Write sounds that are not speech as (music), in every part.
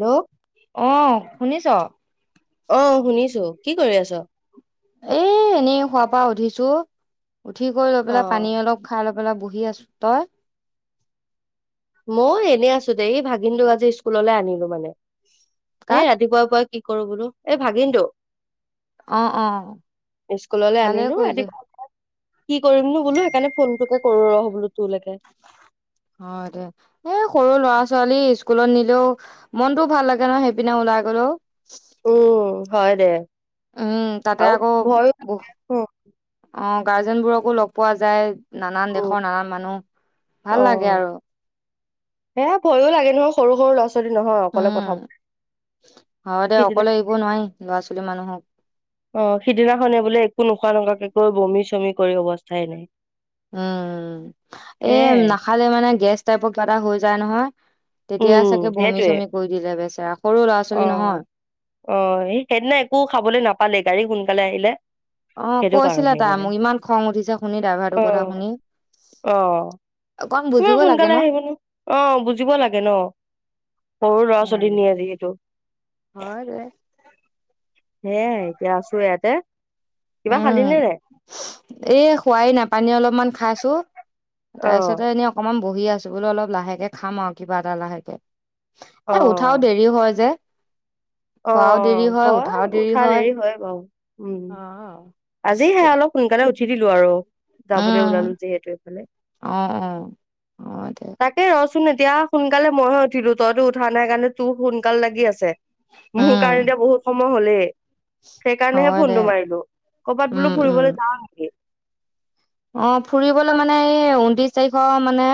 Hello অ, শুনিছো? অ, শুনিছোঁ। কি কৰি আছো? পা উঠিছো উঠি কৰি লৈ পেলাই পানী অ', অলপ খাই এইফালে বহি আছো, তই? মই এনে আছ দেৰি ভাগিনটোক, আজি স্কুললৈ আনিলো মানে কাক? সেই ৰাতিপুৱাই, পুৱাই কি কৰো বোলো, এই ভাগিনটো অ', অ', স্কুললৈ ভালে আনিলো কৰিলি। আদি কি কৰিম নো বোলাে, সেইকাৰণে ফোনটোকে কৰো ৰহ বোলো তুলেকে হয় দে এ সৰু ল'ৰা, ছোৱালী স্কু স্কুলত নিলেও, মনটো ভাল লাগে ন, সেইপিনে ওলাই গলেও। উম হয় দে। উম, তাতে আৰু আকৌ ভয়ো বহ লাগে অ, গাৰ্জেনবোৰকো লগ পোৱা যায়। নানান উম দেশৰ, নানান মানুহ ভাল লাগে আৰু। এ, ভয়ো লাগে ন সৰু, সৰু ল'ৰা ছো উম, হ‌য় দে, সিদিনা অকলে এৰিব নোৱাৰি লৰা ছো মানুহক অ, সিদিনাখনেই বোলে একো নোখোৱা নোলোৱাকে কৈ বমি চমি কৰি অৱস্থাই নাই উম এ সেয়াই। নাখালে মানে গেছ টাইপৰ কিবা এটা হৈ যায় নহয় তেতিয়া উম, চাগে বমি সেইটোৱে চমি কৰি দিলে বেচ ত (unintelligible) অ অ এ সেইদিনা একো খাবলৈ নাপালে গাড়ী সোন কালি আহিলে অ সেইটো কৈছিলে কাৰণে তাই মানে মোৰ ইমান খং উঠিছে শুনি অ ড্ৰাইভাৰটোৰ কথা শুনি অ অকণ ইমান বুজিব লাগে সোনকালে ন আহিব নে অ বুজিব লাগে ন সৰু লৰা ছোৱালী উম নিয়ে যিহেতু হয় দে। সেয়াই এতিয়া আছো ইয়াতে কিবা খালি উম নে নাই এ খোৱাই নাই পানী অলপমান খাইছো অ তাৰপিছতে এনেই অকমান বহি আছো বোলো অলপ লাহেকে খাম আৰু কিবা এটা লাহেকে অ এ উঠাও দেৰি হয় যে অ হয় উঠা দেৰি হয় বাৰু উম অ'। আজি হে অলপ সোনকালে উঠি দিলো আৰু যাবলৈ ওলালো উম যিহেতু অ অ অ দে তাকে ৰ চোন এতিয়া সোনকালে মইহে উঠিলো তইতো উঠা নাই কাৰণে তোৰ সোনকাল লাগি আছে। মোৰ উম কাৰণে এতিয়া বহুত সময় মোৰ হ'লে সেইকাৰণেহে হয় দে ফোনটো মাৰিলো ক'ৰবাত বোলো উম উম ফুৰিবলৈ যাওঁ অ ফুৰিবলৈ মানে এই ঊনত্ৰিশ তাৰিখৰ মানে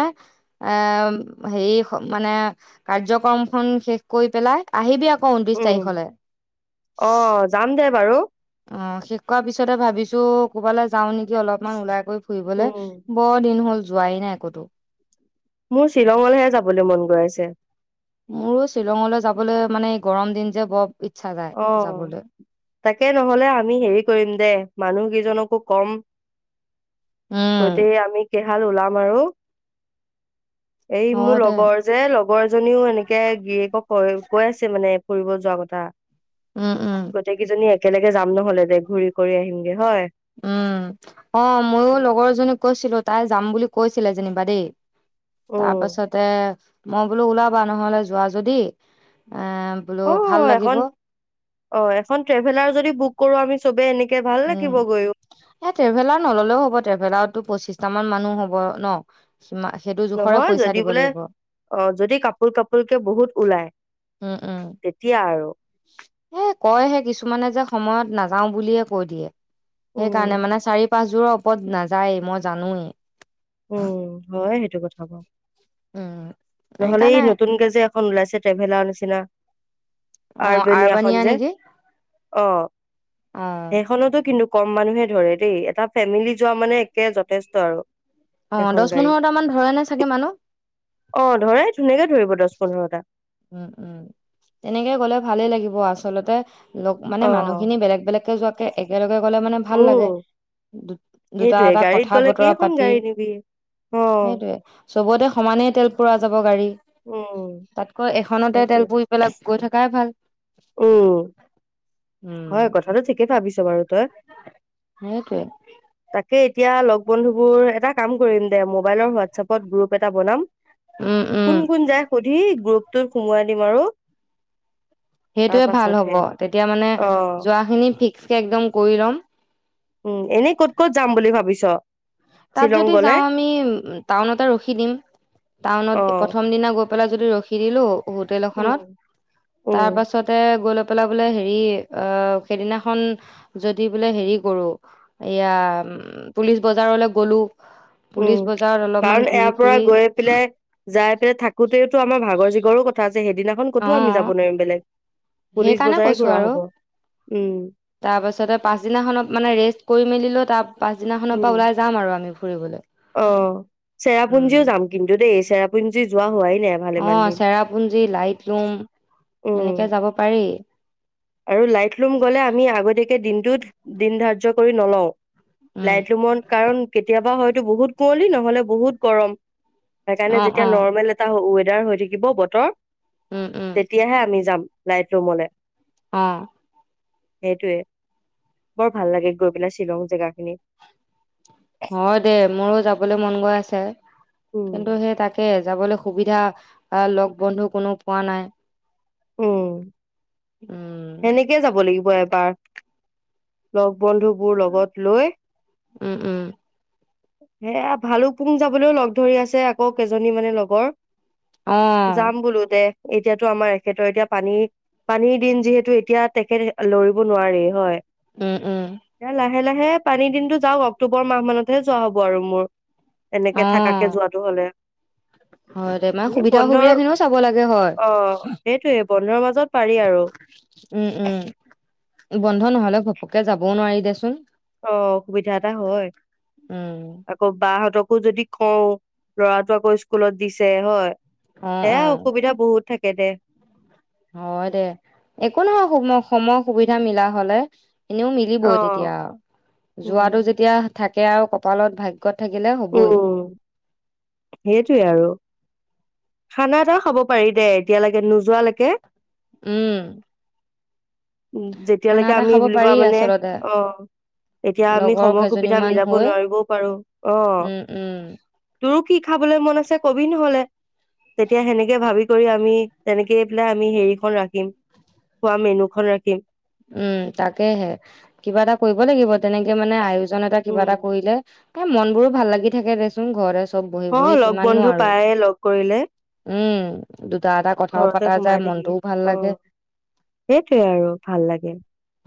এ হেৰি মানে কাৰ্যক্ৰম খন শেষ কৰি পেলাই আহিবি আকৌ। ঊনত্ৰিশ উম তাৰিখলে অ যাম দে বাৰু অ শেষ কৰোৱাৰ পিছতে ভাবিছো ক'বালৈ যাওঁ নেকি। অলপমান ওলাই কৰি ফুৰিবলে উম, বৰ দিন হ'ল। যোৱাই নাই কতো মোৰ শ্বিলঙলৈহে যাবলৈ মন গৈ আছে। মোৰো শ্বিলঙলৈ যাবলৈ মানে এই গৰম দিন যে বৰ। ইচ্ছা যায় অ যাবলৈ তাকে নহ'লে আমি হেৰি কৰিম দে মানুহ। সিজনকো কম উম গোটেই আমি এহাল ওলাম আৰু। এই মোৰ হয় দে লগৰ যে লগ জনীও এনেকে গিৰিয়েকক কয় কৈ আছে মানে ফুৰিব যোৱা কথা। উম উম গোটেই কেইজনী এক একেলগে যাম নহলে দে ঘুৰি কৰি আহিমগে হয়। উম অ ময়ো লগৰ এজনীক কৈছিলো তাই যাম বুলি কৈছিলে যেনিবা দেই। তাৰ উম, পাছতে মই বোলো ওলাবা নহলে যোৱা যদি এ বোলো অ ভাল লাগিব এখন অ এখন ট্ৰেভেলাৰ যদি বুক কৰো আমি চবে এনে উম এ ট্ৰেভেলাৰ নললেও হ'ব ট্ৰেভেলাৰতটো পঁচিছ তামাম মানুহ হ'ব ন? সিমা সেইটো জোখৰে নহয় পইচা যদি দিব বোলে লাগিব অ যদি কাপোল কাপোলকে বহুত ওলায় উম উম তেতিয়া আৰু। এ কয় হে কিছুমানে যে সময়ত নাযাও বুলিয়ে ক কৈ দিয়ে। সেইকাৰণে উম মানে চাৰি পাচঁযোৰৰ ওপৰত নাযায় মই জানোৱোৱেই। উম (unintelligible) কথা কওঁ। উম নহলে এই সেইকাৰণে নতুনকে যে এখন ওলাইছে ট্ৰেভেলাৰ নিচ চিনা অ আৰবেনিয়াখন আৰবানিয়া যে, নেকি অহ অ সেইখনতো কিন্তু কম মানুহে ধৰে দেই, এটা ফেমিলি যোৱা মানে একে যথেষ্ট আৰু। অ এখন দচ গাড়ী পোন্ধৰটামান ধৰে নে চাগে মানুহ? অ ধৰে। ধুনীয়াকে ধৰিব দছ পোন্ধৰটা। উম উম তেনেকে গলে ভালেই লাগিব আচলতে লগ অ মানে মানুহখিনি বেলেগ বেলেগকে যোৱাকে একেলগে গলে মানে ভাল লাগে। উম দুটা সেইটোয়ে এটা গাড়ীত কথা গ'লে বতৰা কেইখন পাতি, গাড়ী নিবি অ সেইটোৱে। চবতে সমানেই তেল পুৰা যাব গাড়ী উম। তাতকৈ এখনতে তেলপুৰি পেলাই গৈ থকাই। ভাল। উম্। হয় কথাটো ঠিকে ভাবিছ বাৰু। তই সেইটোৱে। সেই এতিয়া লগ বন্ধু বোৰ, এটা কাম কৰিম দে মোবাইলৰ হোৱাটছএপত গ্ৰুপ এটা বনাম। উম উম কোন কোন যায় সুধ। ই গ্ৰুপটোত সোমোৱাই দিম আৰু। তাৰ সেইটোয়ে ভাল হব পাছতহে তেতিয়া মানে অ (inaudible) যোৱা খিনি ফিক্স কে একদম কৰি লম। উম এনেই ক'ত ক'ত যাম বুলি ভাবিছ? তাত শ্বিলং যদি গলে যাওঁ আমি টাউনতে ৰখি দিম টাউনত অ প্ৰথম দিনা গ। ক পেলা যদি ৰখি দিলোঁ। হোটেল এখনত, উম উম তাৰ পাছতে গ পেলা বোলে হেৰি অ, সেইদিনাখন যদি বোলে হেৰি কৰো এয়া পুলিচ বজাৰলে গ'লোঁ। উম কাৰণ ইয়াৰ পৰা ফুৰি গৈ পেলাই, যাই পেলাই থাকোতেওতো আমাৰ ভাগৰ চ গৰ কথা। সেইদিনাখন অ, ক'তো আমি যাব নোৱাৰিম বেলেগ পুলিচ সেইকাৰণে বজাৰে কৈছো ঘূৰা আৰু। হব উম তাৰপাছতে পাছদিনাখনত মানে ৰেষ্ট কৰি মেলি। ত (unintelligible) পাছদিনাখনৰ উম পৰা ওলাই যাম আৰু আমি ফুৰিবলে। অ' চেৰাপুঞ্জীও যাম কিন্তু দেই চেৰাপুঞ্জী জী যোৱা হোৱাই নাই ভালেমান অ' দিন চেৰাপুঞ্জী, লাইতলুম উম এনেকে যাব পাৰি। আৰু লাইত লুম গ'লে আমি আগতীয়াকে দিনটোত দিন ধাৰ্য কৰি নলওঁ। উম লাইতলুমত কাৰণ কেতিয়াবা হয়তো টো বহুত কুঁৱলী নহ'লে বহুত গৰম সেইকাৰণে অ যেতিয়া অ নৰ্মেল এটা হ - ৱে দাৰ হৈ থাকিব বতৰ। উম উম তেতিয়াহে আমি যাম। লাইত ৰূমলে। অঁ। সেইটোৱে। বৰ ভাল লাগে গৈ পেলাই শ্বিলং জেগাখিনি হয় দে মোৰো যাবলে মন গৈ আছে। উম কিন্তু সেই তাকে কে যাবলৈ সুবিধা আ - লগ বন্ধু কোনো পোৱা নাই। উম, উম সেনেকে যাব লাগিব। (unintelligible) বন্ধুবোৰ লগত লৈ উম উম। সেয়া ভালুকপুং যাবলৈও লগ ধৰি আছে আকৌ কেইজনী মানে লগৰ। অ যাম বোলো দে। এতিয়াতো আমাৰ এখেতৰ এতিয়া পানী-পানীৰ দিন যিহেতু এতিয়া তেখেত লৰিব নোৱাৰে হয়। উম উম। লাহ লাহে পানীৰ দিনটো যাওক অক্টোবৰ মাহ মানত। (unintelligible) যোৱা হ'ব আৰু মোৰ। এনেকে অ থাকাকে যোৱাটো হলে হয় দে, মানে এনে বন্ধৰ সুবিধা-অসুবিধা খিনিও চাব লাগে হয়। অ সেইটোয়ে বন্ধৰ মাজত পাৰি আৰু উম উম। বন্ধ নহলে ঘ পকে যাবও নোৱাৰি দেচোন। অ' অসুবিধা এটা হয় উম, আকৌ বা হঁতক (unintelligible) যদি কওঁ, ল'ৰাটো আকৌ স্কুলত দিছে হয় অ', সেয়া অ', অসুবিধা বহুত থাক কে দে হয় দে একো নহয় সম সময় সুবিধা মিলা হলে এনেও অ মিলিবই তেতিয়া উম যোৱাটো যেতিয়া থাকে আৰু কপালত ভাগ উম সেইটোৱে আৰু খানা এটাও খাব পাৰি দে এতিয়ালৈকে নোযোৱালৈকে উম উম খানা যেতিয়ালৈকে এটা আমি খাব বুলিবা পাৰি মানে আচলতে অ তেতিয়া আমি লগৰ সময়-সুবিধা কেইজনীমান মিলাব হৈ। নোৱাৰিবও পাৰো অ উম, উম, তো দি খাবলৈ মন আছে কবি নহ'লে তেতিয়া সেনেকে ভাবি কৰি আমি তেনেকেই পেলাই আমি হেৰিখন ৰাখিম খোৱা মেনুখন ৰাখিম উম তাকেহে কিবা এটা কৰিব লাগিব তেনেকে মানে আয়োজন এটা কিবা উম এটা কৰিলে এ মনবোৰো ভাল লাগি থাকে দেচোন ঘৰতে চব বহি অ বহি লগ কিমাননো বন্ধু আৰু। পায়ে লগ কৰিলে উম, দুটা এটা কথাও ঘৰতে পাতা যায় সোমাই থাকি মনটোও ভাল অ লাগে। সেইটোৱে আৰু ভাল লাগে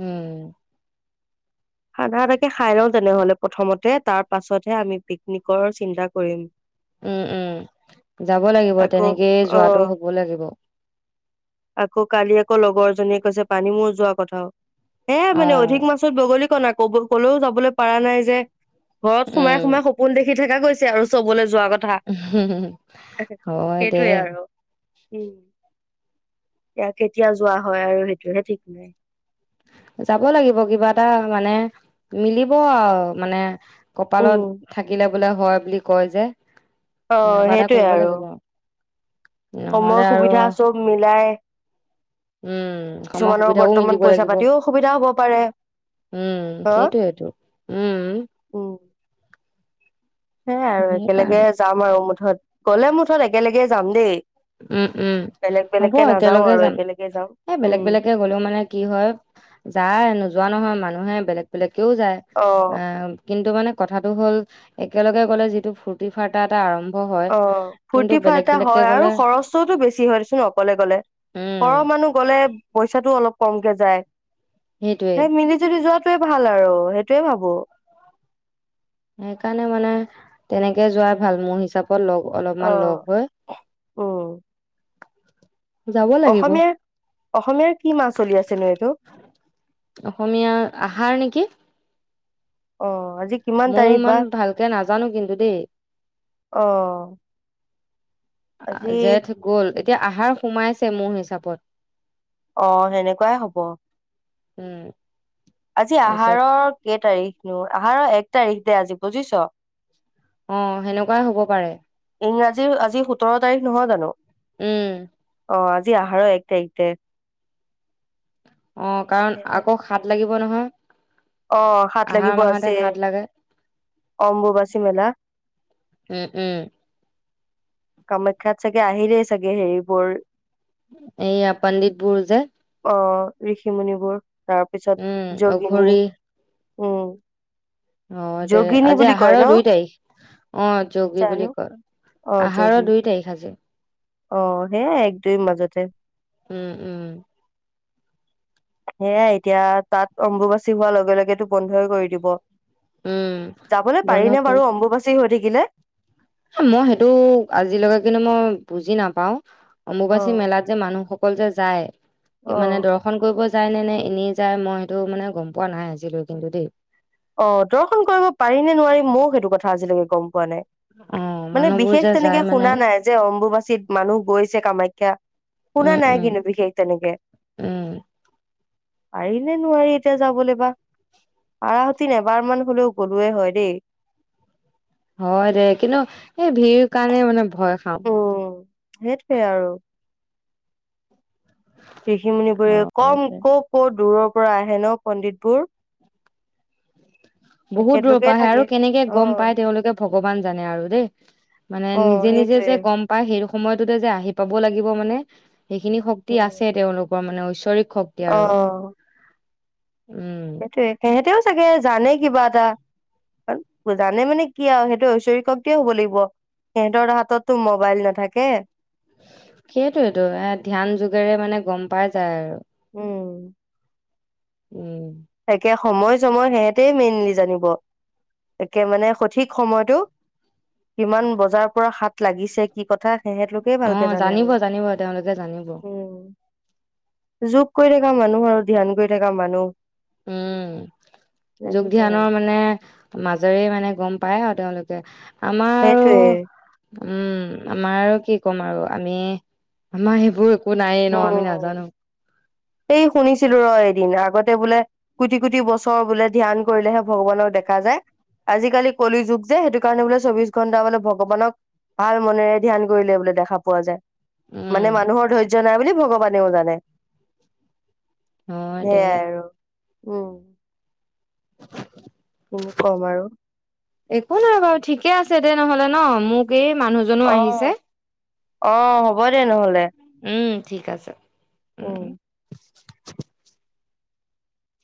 উম সাধাটাকে খাই লও তেনেহলে প্ৰথমতে তাৰ পাছতহে আমি পিকনিকৰ চিন্তা কৰিম উম উম যাব লাগিব আকৌ তেনেকেই অ যোৱাটো হব লাগিব আকৌ কালি আকৌ লগৰ জনীয়ে কৈছে পানী মূৰ যোৱা কথাও এ মানে অ', অধিক মাছত বগলী ক না কব ক'লেও যাবলৈ পাৰা নাই যে ঘৰত সোমাই উম, সোমাই সপোন দেখি থাকা গৈছে আৰু চবলে হুম হুম হুম হয় দে সেইটোৱে আৰু। উম এয়া কেতিয়া যোৱা হয় আৰু সেইটোহে ঠিক নাই যাব লাগিব কিবা এটা মানে মিলিব আৰু মানে কপালত উম, থাকিলে হয় বুলি কয় যে অ তেনেকুৱা এটা সেইটোৱে কৰিব আৰু লাগিব। সময় নহ'লে আৰু সুবিধা চব মিলাই উম, সময় কিছুমানৰ সুবিধাও বৰ্তমান মিলিব পইচা লাগিব। পাতিও অসুবিধা হ'ব পাৰে। উম হা? সেইটোয়েটো উম সেইয়া আৰু একেলগে সেইকাৰণে যাম আৰু মুঠত গলে মুঠত একেলগে যাম দেই উম উম বেলেগ হ'ব বেলেগকে নাযাও একেলগে আৰু যাম একেলগে যাম। এই বেলেগ উম। বেলেগকে গলেও মানে কি হয় যায় নোযোৱা নহয় মানুহ এ বেলেগ বেলেগ কও যায় অ', আহ। কিন্তু মানে কথাটো হ'ল একেলগে গ'লে যিটো ফূুৰ্তি ফাৰ্তা এটা আৰম্ভ। হয় অ কিন্তু ফূৰ্তি বেলেগ ফাৰ্তা বেলেগকে হয় আৰু গ'লে খৰচ। বেছি হয়োন অকলে উম গ'লেৰৰ মানুহ গলে পইচাটো অলপ। কমকে যায়। সেইটোৱে সেই মিলি যদি যোৱাত। সয়ে ভাল আৰু সেইটোয়ে ভাবো। সেইকাৰণে মানে তেনেকে যোৱাই ভাল মোৰ হিচাপে। লগ অলপমান অ'। লগ হৈ। যাব লাগিব অসমীয়াাৰ অসমীয়াৰ কি মা চলি আছেনো এইটো। অসমীয়া আহাৰ অ আজি কিমান মই তাৰিখ ইমান বা? ভালকে নাজানো কিন্তু দেই। অ' আজি জেথ গ'ল। এতিয়া আহাৰ সোমাইছে মোৰ হিচাপত। অ সেনেকুৱাই হব। উম। আজি তাৰপিছত আহাৰৰ কেই তাৰিখনো আহাৰৰ এক। তাৰিখ দে আজি বুজিছ। অ সেনেকুৱাই হ'ব পাৰে ইংৰাজী আজি সোতৰ তাৰিখ নহয়, জানো উম অজি। দিয়া আহাৰ এক তাৰিখতে। অ কাৰণ আকৌ হাত লাগিব। নহয়। অ হাত আহাৰ লাগিব মাহতে আছে সাত লাগে। অম্বুবাচী মেলা। উম, উম, কামাখ্যাত চাগে আহিলেই চাগে হেৰিবোৰ। এইয়া পণ্ডিতবোৰ যে। অ ঋষি মুুণিবোৰ। উম, তাৰপিছত যোগিনী। অঘৰি উম। অ যোগিনী আজি বুলি কয় আহাৰৰ ন? দুই তাৰিখ অ যগী বুলি জানো কয় অ' আহ। যোগী। পাৰৰ দুই তাৰিখ আজি অ সেয়াই এক দুই মাজতে। উম উম। সেয়াই এতিয়া তাত অম্বুবাচী হোৱাৰ লগে লগেো বন্ধই কৰি দিব। উম, যাবলৈ বন্ধ পাৰিনে কৰি বাৰু অম্বুবাচী হৈ থাকি। কিলে। মই সেইটো আজিলৈকে কিন্তু মই বুজি নাপাওঁ। অ অম্বুবাসী মেলাত যে মানুহসক অকল যে যায়। কি অ মানে দৰ্শন কৰিব যায় নে নে এনেই যায় মই সেইটো মানে গম পোৱা নাই আজিলৈ কিন্তু দেই। অ', দৰ্শন কৰিব পাৰি নে নোৱাৰি ময়ো সেইটো কথা আজিলৈকে গম পোৱা নাই, অ', মানে মানুহবোৰ বিশেষ যে তেনেকে যায় মানে, শুনা নাই যে অম্বুবাচীত মানুহ গৈছে কামাখ্যা শুনা উম, নাই উম, কিন্তু বিশেষ তেনেকে। উম। পাৰি নে নোৱাৰি এতিয়া যাবলৈ বা, পাৰত দিন এবাৰমান হ'লেও গ'লোৱেই হয় দেই। হয় দে কিন্তু এই ভিৰ কাৰণে মানে ভয় খাম। উম সেইটোৱে আৰু। ঋষিমূনিবোৰে হয় কম দে, ক' ক' দূৰৰ পৰা আহে ন' পণ্ডিতবোৰ। বহুত দূৰৰ তেখেতলোকে পৰা আহে থাকে আৰু কেনেকে গম অ', পাই তেওঁলোকে ভগৱান জানে আৰু দেই। মানে অ', নিজে নিজে সেইটোৱে যে গম পায় সেইটো সময়তোতে যে আহি পাব লাগিব মানে সেইখিনি শক্তি আছে উম, তেওঁলোকৰ মানে ঈচ অ অহ। উম সেইটোৱে, সেহেতিওঁ চাগে জানে কিবা এটা, জানে মানে কি আও সেইটো ঐশ্বৰিক শক্তিয়ে হ'ব লাগিব সিহঁতৰ হাতততো ম'বাইল নাথাকে। সেইটোৱেতটো এ ধ্যান যুগেৰে মানে গম পাই যায় আৰু। উম। তাকে সময় চময় সিহেঁতে মেইনলি জানিব, একে মানে সঠিক সময়টো কিমান বজাৰ পৰা হাত লাগিছে কি কথা সিহঁতলোকেই অ ভালকে জানে জানিব আৰু জানিব তেওঁলোকে জানিব। উম, যোগ কৰি থকা মানুহ আৰু ধ্যান কৰি থকা মানুহ। উম যোগ জানিবই আৰু ধ্যানৰ মানে মাজৰে মানে গম পায় আও। তেওঁলোকে আমাৰ সেইটোৱে। আৰু উম, আমাৰ আৰু কি কম আৰু আমি আমাৰ সেইবোৰ নায়েই ন আমি উম, নাজানো এই শুনিছিলো ৰ' এদিন আগত বোলে কোটি কোটি বছৰ বোলে ধ্যান কৰিলেহে ভগৱানক দেখা যায় আজিকালি কলি যুগ যে সেইটো কাৰণে বোলে চৌব্বিছ ঘন্টা বোলে ভগৱানক ভাল মনেৰে ধ্যান কৰিলে বোলে দেখা পোৱা যায়। মানে উম মানুহৰ ধৈৰ্য নাই বুলি ভগৱানেও জানে। হই দে। সেয়াই আৰু উম। কিনো কম আৰু একো নাই বাৰু ঠিকে আছ তেদে নহ'লে ন মোক এই মানুহজনো আহিছে অ'। অ', হ'ব দে নহ'লে উম ঠিক আছে উম।